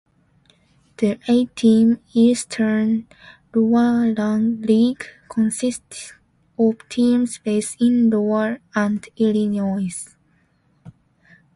The eight–team Eastern Iowa League consisted of teams based in Iowa and Illinois.